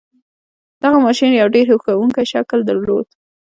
دغه ماشين يو ډېر هیښوونکی شکل درلود.